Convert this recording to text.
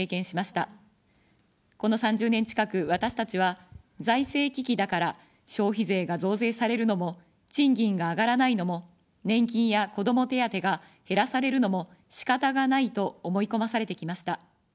この３０年近く、私たちは、財政危機だから消費税が増税されるのも、賃金が上がらないのも、年金や子ども手当が減らされるのもしかたがないと思い込まされてきました。